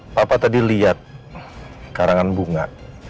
bapak tadi lihat karangan bunga